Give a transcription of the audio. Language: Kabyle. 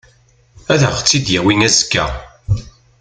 Ad aɣ-tt-id-yawi azekka.